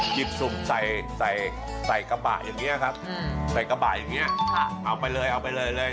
หยิบสุ่มใส่กระบะอย่างนี้ครับใส่กระบะอย่างนี้เอาไปเลยเอาไปเลยเลย